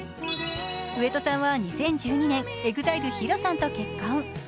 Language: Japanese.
上戸さんは２０１２年、ＥＸＩＬＥＨＩＲＯさんと結婚。